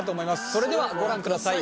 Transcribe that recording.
それではご覧ください。